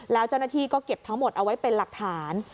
แล้วเจ้าหน้าที่ก็เก็บทั้งหมดเอาไว้เป็นหลักฐาน